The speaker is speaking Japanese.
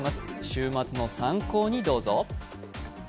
週末の参考にどうぞ。